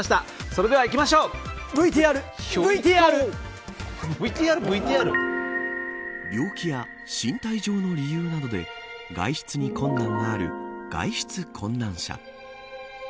それでは行きましょう病気や身体上の理由などで外出に困難がある外出困難者。